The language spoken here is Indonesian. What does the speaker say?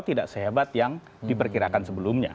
tidak sehebat yang diperkirakan sebelumnya